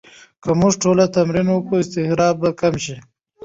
که موږ ټول تمرین وکړو، اضطراب به کم شي.